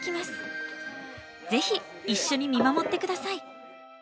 ぜひ一緒に見守って下さい。